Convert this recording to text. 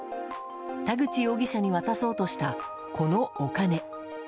田口容疑者に渡そうとしたこのお金。